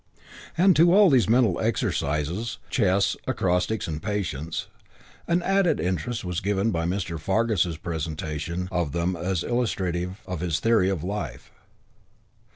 And to all these mental exercises chess, acrostics and Patience an added interest was given by Mr. Fargus's presentation of them as illustrative of his theory of life.